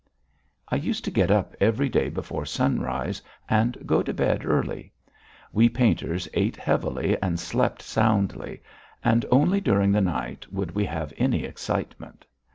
I used to get up every day before sunrise and go to bed early. We painters ate heavily and slept soundly, and only during the night would we have any excitement.